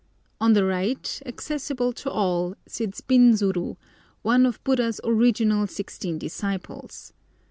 On the right, accessible to all, sits Binzuru, one of Buddha's original sixteen disciples.